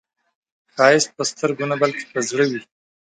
ښایست په سترګو نه، بلکې په زړه کې وي